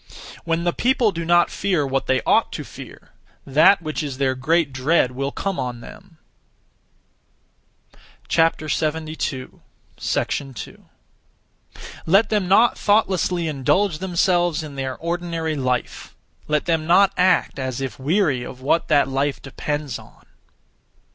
When the people do not fear what they ought to fear, that which is their great dread will come on them. 2. Let them not thoughtlessly indulge themselves in their ordinary life; let them not act as if weary of what that life depends on.